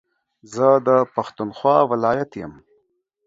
زه دا پښتونخوا ولايت يم